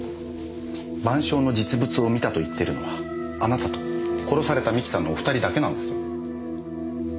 『晩鐘』の実物を見たと言っているのはあなたと殺された三木さんのお二人だけなんです。